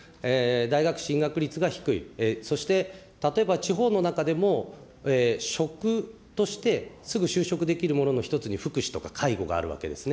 大学進学率が低い、そして例えば地方の中でも、職としてすぐ就職できるものの１つに福祉とか、介護があるわけですね。